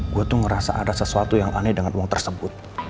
gue tuh ngerasa ada sesuatu yang aneh dengan uang tersebut